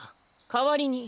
かわりに。